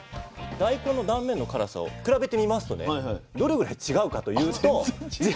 大根の断面の辛さを比べてみますとねどれぐらい違うかというと。